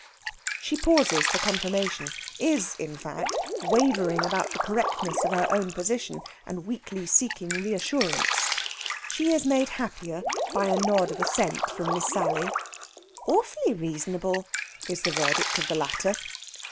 She pauses for confirmation is, in fact, wavering about the correctness of her own position, and weakly seeking reassurance. She is made happier by a nod of assent from Miss Sally. "Awfully reasonable!" is the verdict of the latter.